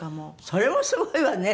それもすごいわね。